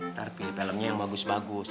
ntar pilih filmnya yang bagus bagus